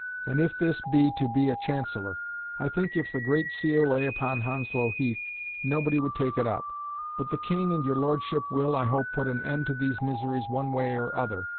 And if this be to be a Chancellor. I think if the great seal lay upon Hounslow Heath nobody would take it up. But the King and your Lordship will, I hope, put an end to these miseries one way or other.